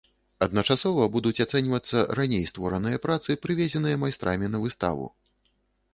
Адначасова будуць ацэньвацца раней створаныя працы, прывезеныя майстрамі на выставу.